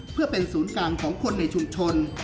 เพื่อเป็นศูนย์กลางของคนในชุมชน